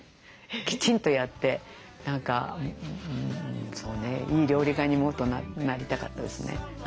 きちんとやって何かそうねいい料理家にもっとなりたかったですね。